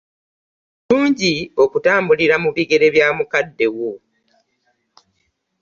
Kirungi okutambulira mu bigere bya mukadde wo.